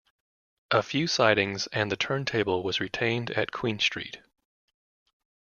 A few sidings and the turntable was retained at Queen Street.